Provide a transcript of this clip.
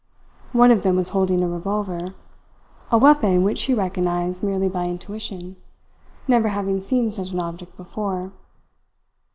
One of them was holding a revolver a weapon which she recognized merely by intuition, never having seen such an object before.